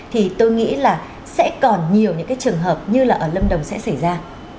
thì tôi nghĩ là sẽ còn nhiều những cái trường hợp như là ở lâm đồng sẽ xảy ra